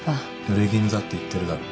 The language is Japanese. ぬれぎぬだって言ってるだろ。